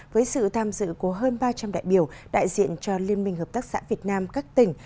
với sự tham dự của hơn ba trăm linh đại biểu đại diện cho liên minh hợp tác xã việt nam các tỉnh